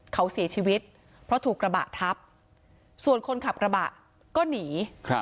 เขาเสียชีวิตเพราะถูกกระบะทับส่วนคนขับกระบะก็หนี